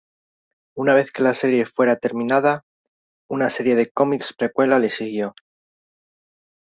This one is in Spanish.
Una vez que la serie fuera terminada, una serie de cómics precuela le siguió.